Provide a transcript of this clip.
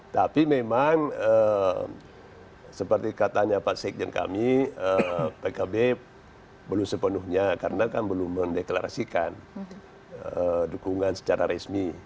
tapi memang seperti katanya pak sekjen kami pkb belum sepenuhnya karena kan belum mendeklarasikan dukungan secara resmi